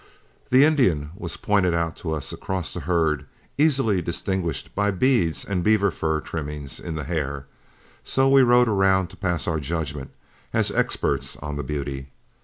The Indian was pointed out to us across the herd, easily distinguished by beads and beaver fur trimmings in the hair, so we rode around to pass our judgment as experts on the beauty.